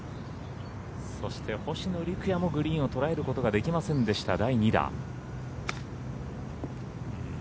そして、星野陸也もグリーンを捉えることができませんでした、第２打。